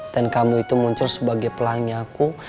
dan kamu itu muncul sebagai pelangi aku